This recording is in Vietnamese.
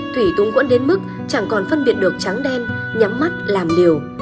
thủy tung cuốn đến mức chẳng còn phân biệt được trắng đen nhắm mắt làm liều